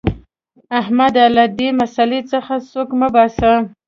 احمده! له دې مسئلې څخه سوک مه باسه.